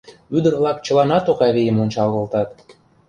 Ӱдыр-влак чыланат Окавийым ончал колтат.